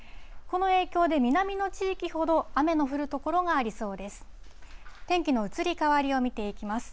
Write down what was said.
この影響で、南の地域ほど、雨の降る所がありそうです。